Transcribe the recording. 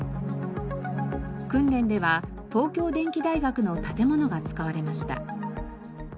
訓練では東京電機大学の建物が使われました。